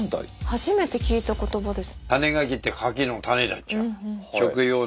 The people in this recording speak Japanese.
初めて聞いた言葉です。